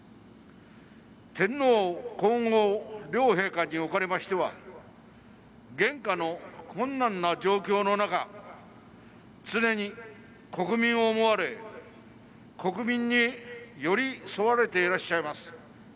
天皇皇后両陛下におかれましては現下の困難な状況の中常に国民を思われ国民に寄り添われていらっしゃいます。